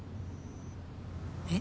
えっ？